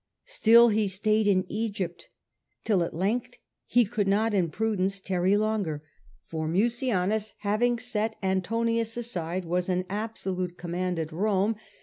Still he stayed in Egypt, till at length he could not in prudence tarry longer, for Mucianus having set Antonius aside was in absolute command at Rome, 144 The Earlier Empire, a.d.